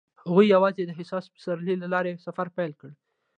هغوی یوځای د حساس پسرلی له لارې سفر پیل کړ.